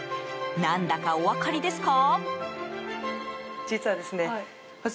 何だかお分かりですか？